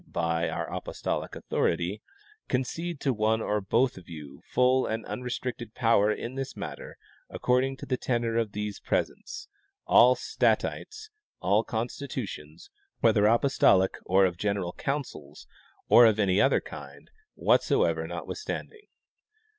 by our apostolic authority, concede to one or both of you full and unrestricted power in this matter according to the tenor of these presents, all statites and constitutions, whether apostolic or of gen eral councils or of any other kind whatsoever, notwithstanding.